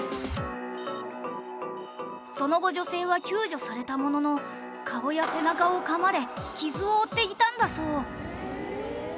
その後女性は救助されたものの顔や背中を噛まれ傷を負っていたんだそう。